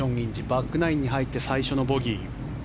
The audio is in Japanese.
バックナインに入って最初のボギー。